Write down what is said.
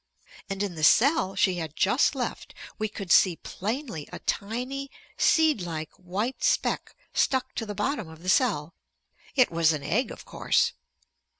And in the cell she had just left we could see plainly a tiny seed like white speck stuck to the bottom of the cell. It was an egg of course.